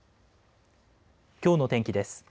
きょうの天気です。